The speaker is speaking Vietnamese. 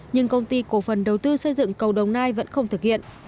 nhưng công ty cổ phần đầu tư xây dựng cầu đồng nai vẫn không thực hiện